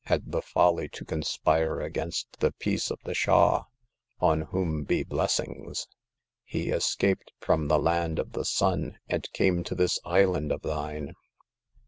had the folly to con spire against the peace of the Shah — on whom be blessings ! He escaped from the Land of the Sun, and came to this island of thine.